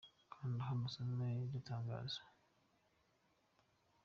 Kanda hano usome iryo tangazo :